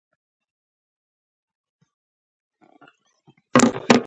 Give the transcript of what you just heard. نوې موضوع د مطالعې وړ ده